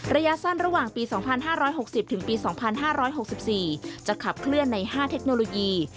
ระยะสั้นระหว่างปี๒๕๖๐ถึงปี๒๕๖๔จะขับเคลื่อนใน๕เทคโนโลยี